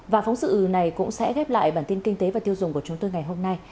và phóng sự này cũng sẽ khép lại bản tin kinh tế và tiêu dùng của chúng tôi ngày hôm nay